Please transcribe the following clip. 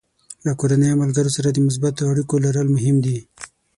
له کورنۍ او ملګرو سره د مثبتو اړیکو لرل مهم دي.